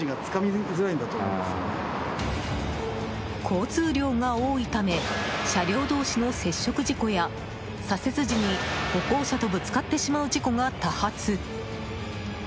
交通量が多いため車両同士の接触事故や左折時に歩行者とぶつかってしまう事故が多発。